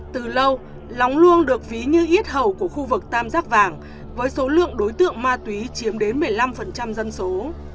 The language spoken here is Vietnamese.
từ lâu lóng luông được ví như ít hầu của khu vực tam giác vàng với số lượng đối tượng ma túy chiếm đến một mươi năm dân số